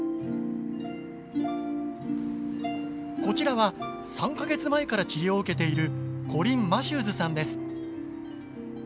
こちらは３か月前から治療を受けているコリン・マシューズさんです。